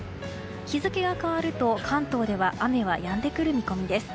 日付が変わると、関東では雨はやんでくる見込みです。